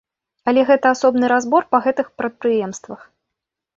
Але гэта асобны разбор па гэтых прадпрыемствах.